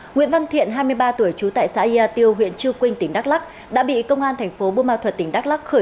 nguyễn văn thiện hai mươi ba tuổi trú tại xã yà tiêu huyện chư quynh tỉnh đắk lắc đã bị công an tp bumma thuật tỉnh đắk lắc khói